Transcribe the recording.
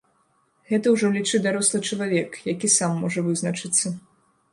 Гэта ўжо, лічы, дарослы чалавек, які сам можа вызначыцца.